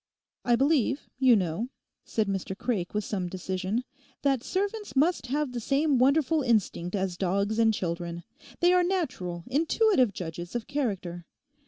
'I believe, you know,' said Mr Craik with some decision, 'that servants must have the same wonderful instinct as dogs and children; they are natural, intuitive judges of character.